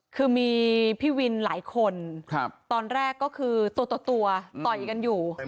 คือมีพี่วินหลายคนตอนแรกก็คือตัวต่อยกันอยู่